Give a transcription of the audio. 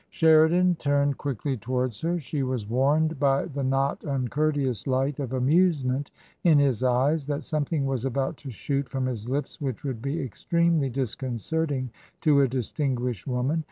*" Sheridan turned quickly towards her ; she was warned by the not uncourteous light of amusement in his cyts that something was about to shoot from his lips which would be extremely disconcerting to a distinguished woman.